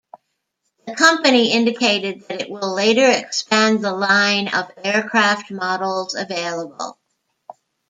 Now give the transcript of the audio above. The company indicated that it will later expand the line of aircraft models available.